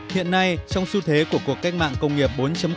hiện nay trong xu thế của cuộc cách mạng công nghiệp bốn